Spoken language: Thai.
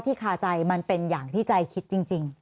คาใจมันเป็นอย่างที่ใจคิดจริง